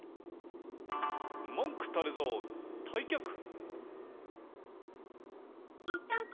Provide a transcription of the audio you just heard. もんくたれぞうたいきゃく！